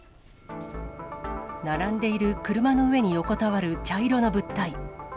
並んでいる車の上に横たわる茶色の物体。